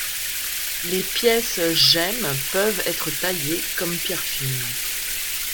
Les pièces gemmes peuvent être taillées, comme pierre fine.